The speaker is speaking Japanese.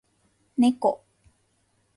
猫